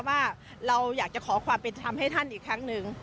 ว่าเราอยากจะขอความเป็นธรรมให้ท่านอีกครั้งหนึ่ง